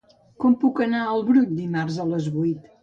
Com puc anar al Brull dimarts a les vuit?